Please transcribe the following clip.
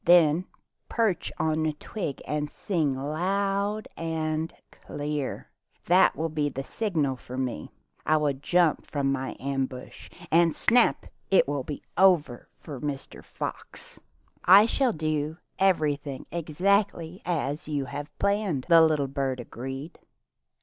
Then perch on a twig and sing out loud and clear. That will be the signal for me. I will spring from my ambush, and — snap! All will be over with Mr. Fox.'' shall try to do everything exactly as you have planned," the little bird agreed.